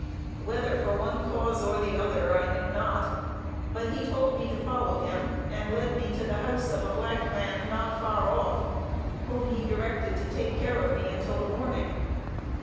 Whether for one cause or the other, I knew not; but he told me to follow him, and led me to the house of a black man, not far off, whom he directed to take care of me until the morning.